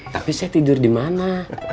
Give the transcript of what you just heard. tapi saya tidur dimana